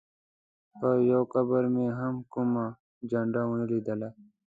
پر یوه قبر مې هم کومه جنډه ونه لیدله.